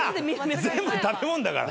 全部食べ物だから。